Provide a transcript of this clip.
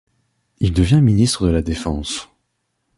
Il devient ministre de la Défense.